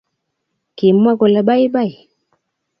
Kimwa kole baibai